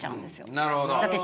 なるほど。